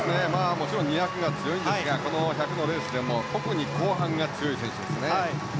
２００が強いですが１００のレースでも特に後半が強い選手です。